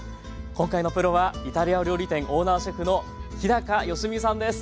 今回のプロはイタリア料理店オーナーシェフの日良実さんです